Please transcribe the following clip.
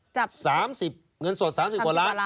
๓๐เงินสด๓๐กว่าล้าน